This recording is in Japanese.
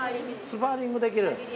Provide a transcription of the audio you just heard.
スパーリングできる？